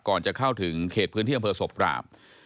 ก่อนจะเข้าถึงเขตพื้นที่อำเภอศพปราบ